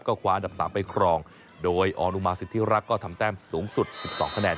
คว้าอันดับ๓ไปครองโดยออนุมาสิทธิรักษ์ก็ทำแต้มสูงสุด๑๒คะแนน